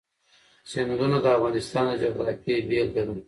سیندونه د افغانستان د جغرافیې بېلګه ده.